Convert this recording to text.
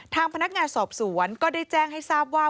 ทางพนักงานสอบสวนก็ได้แจ้งให้ทราบว่า